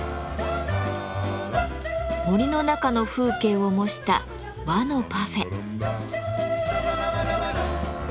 森の中の風景を模した和のパフェ。